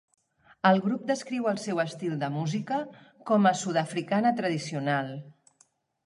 El grup descriu el seu estil de música com a sud-africana tradicional.